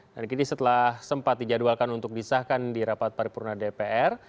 dan kini setelah sempat dijadwalkan untuk disahkan di rapat paripurna dpr